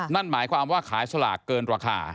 นั่นหมายความว่าขายสลากเกินราคา